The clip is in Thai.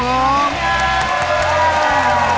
ขอบคุณครับ